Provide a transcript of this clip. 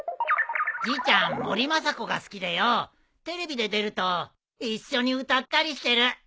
じいちゃん森昌子が好きでよテレビで出ると一緒に歌ったりしてる。